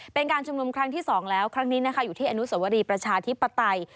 เป็นการชุมนุมครั้งที่๒แล้วครั้งนี้นะคะอยู่ที่อนุสวรีประชาธิปไตย